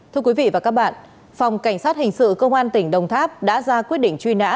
thưa quý vị và các bạn phòng cảnh sát hình sự công an tỉnh đồng tháp đã ra quyết định truy nã